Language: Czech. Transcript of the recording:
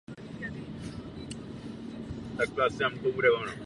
Na druhé úrovni je socha svatého Josefa a svatého Jana Nepomuckého.